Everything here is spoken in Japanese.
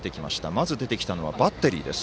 まず出てきたのはバッテリー。